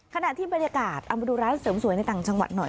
ขณะที่บรรยากาศเอามาดูร้านเสริมสวยในต่างจังหวัดหน่อย